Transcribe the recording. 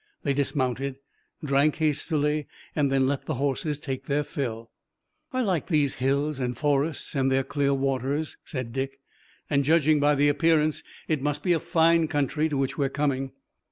They dismounted, drank hastily, and then let the horses take their fill. "I like these hills and forests and their clear waters," said Dick, "and judging by the appearance it must be a fine country to which we're coming."